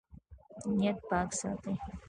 نیت پاک ساتئ